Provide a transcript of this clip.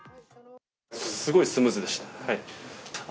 すごいスムーズでしたよ。